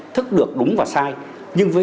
thức được đúng và sai nhưng với